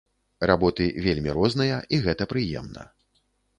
Работы вельмі розныя, і гэта прыемна.